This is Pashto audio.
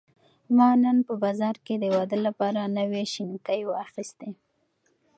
ما نن په بازار کې د واده لپاره نوې شینکۍ واخیستې.